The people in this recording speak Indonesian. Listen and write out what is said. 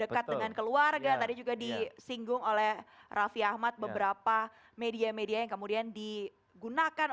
dekat dengan keluarga tadi juga disinggung oleh raffi ahmad beberapa media media yang kemudian digunakan